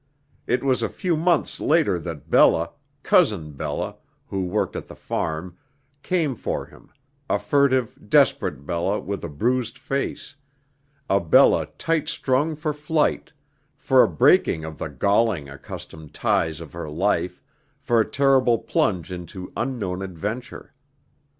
It was a few months later that Bella Cousin Bella, who worked at "the farm" came for him, a furtive, desperate Bella with a bruised face a Bella tight strung for flight, for a breaking of the galling accustomed ties of her life, for a terrible plunge into unknown adventure.